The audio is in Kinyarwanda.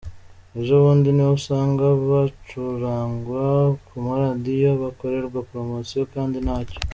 ejobundi nibo usanga bacurangwa ku maradiyo, bakorerwa promosiyo kandi ntacyo.